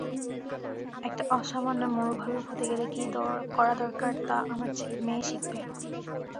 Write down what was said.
একটা অসামান্য মরু ভালুক হতে গেলে কী করা দরকার তা আমার মেয়ে শিখবে।